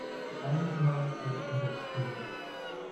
Einige Male führte er selbst Regie.